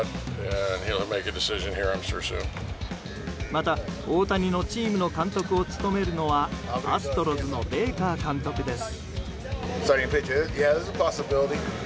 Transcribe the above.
また、大谷のチームの監督を務めるのはアストロズのベーカー監督です。